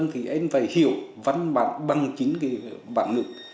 thì em phải hiểu văn bằng chính cái bản ngực